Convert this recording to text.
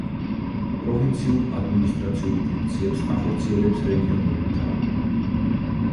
პროვინციულ ადმინისტრაციულ ფუნქციებს ახორციელებს რეგიონული მთავრობა.